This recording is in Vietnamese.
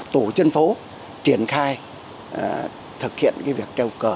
tổ chân phố triển khai thực hiện việc treo cờ